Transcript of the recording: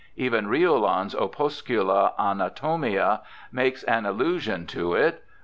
Even Riolan's Opuscida Anatomia makes an allusion to it.